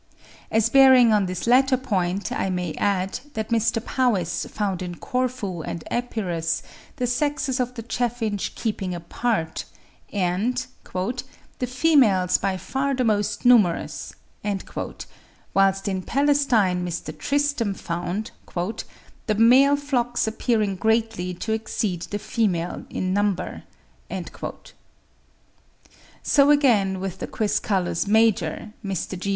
As bearing on this latter point, I may add, that Mr. Powys found in Corfu and Epirus the sexes of the chaffinch keeping apart, and "the females by far the most numerous"; whilst in Palestine Mr. Tristram found "the male flocks appearing greatly to exceed the female in number." (67. 'Ibis,' 1860, p. 137; and 1867, p. 369.) So again with the Quiscalus major, Mr. G.